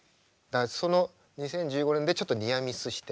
その２０１５年でちょっとニアミスして。